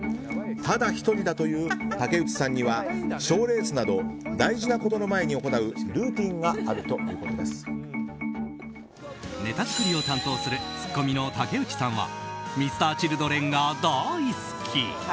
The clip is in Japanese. ただ一人だという竹内さんには、賞レースなど大事なことの前に行うネタ作りを担当するツッコミの竹内さんはＭｒ．Ｃｈｉｌｄｒｅｎが大好き。